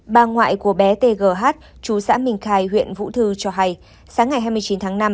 bà ngoại của bé tgh chú xã minh khai huyện vũ thư cho hay sáng ngày hai mươi chín tháng năm